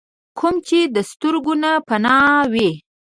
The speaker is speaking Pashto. کوم چې د سترګو نه پناه وي ۔